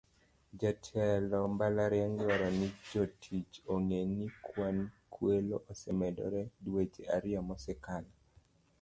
Jotelo mbalariany dwaro ni jotich ong'e ni kwan kwelo osemedore dweche ariyo mosekalo. "